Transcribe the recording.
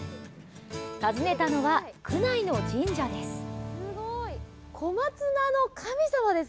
訪ねたのは、区内の神社です。